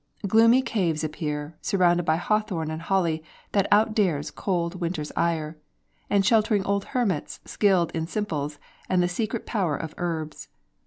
Gloomy caves appear, surrounded by hawthorn and holly that "outdares cold winter's ire," and sheltering old hermits, skilled in simples and the secret power of herbs.